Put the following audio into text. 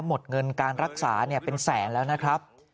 หมดเงินการรักษาเป็นแสนแล้วนะครับ